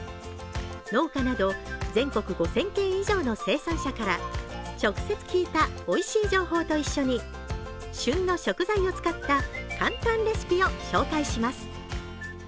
農家など全国５０００軒以上の生産者から直接聞いたおいしい情報と一緒に旬の食材を使った簡単レシピを紹介します。